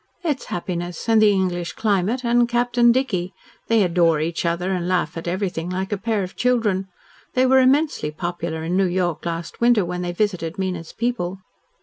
"It's happiness and the English climate and Captain Dicky. They adore each other, and laugh at everything like a pair of children. They were immensely popular in New York last winter, when they visited Mina's people."